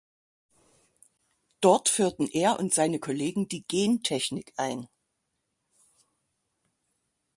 Dort führten er und seine Kollegen die „Gentechnik“ ein.